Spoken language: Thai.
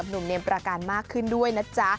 หนุ่มเมมประการมากขึ้นด้วยนะจ๊ะ